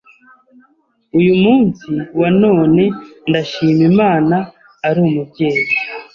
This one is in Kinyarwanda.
uyu munsi wa none ndashima Imana ari umubyeyi